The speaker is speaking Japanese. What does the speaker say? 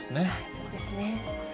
そうですね。